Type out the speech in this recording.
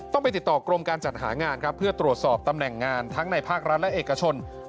ต้องไปติดต่อกรมการจัดหางานครับเพื่อตรวจสอบตำแหน่งงานทั้งในภาครัฐและเอกชน